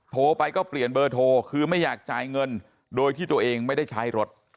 โทรไปก็เปลี่ยนเบอร์โทรคือไม่อยากจ่ายเงินโดยที่ตัวเองไม่ได้ใช้รถ